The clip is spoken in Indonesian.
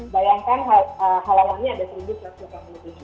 bayangkan hal halannya ada satu satu ratus delapan puluh tujuh